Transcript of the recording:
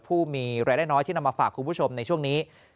ผู้มีรายได้น้อยที่นำมาฝากคุณผู้ชมในช่วงนี้